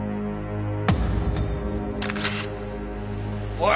おい！